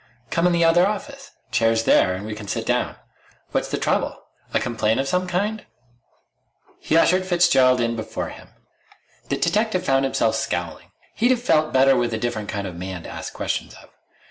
"Come in the other office. Chairs there, and we can sit down. What's the trouble? A complaint of some kind?" He ushered Fitzgerald in before him. The detective found himself scowling. He'd have felt better with a different kind of man to ask questions of.